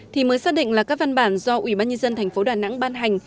thì mới xác định là các văn bản do ủy ban nhân dân thành phố đà nẵng ban hành